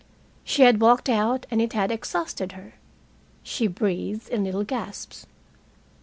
She had walked out, and it had exhausted her. She breathed in little gasps.